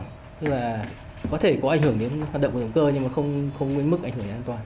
tức là có thể có ảnh hưởng đến hoạt động của động cơ nhưng mà không với mức ảnh hưởng đến an toàn